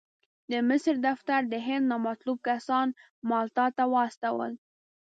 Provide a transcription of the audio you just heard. د مصر دفتر د هند نامطلوب کسان مالټا ته واستول.